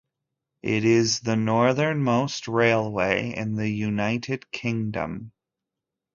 It is the northernmost railway in the United Kingdom.